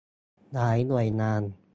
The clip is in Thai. หลายหน่วยงาน